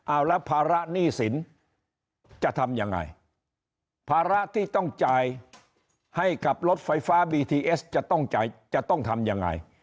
เอาแล้วภาระหนี้สินจะทำยังไงภาระที่ต้องจ่ายให้กับรถไฟฟ้าบีทีเอสจะต้องจ่ายจะต้องทำยังไง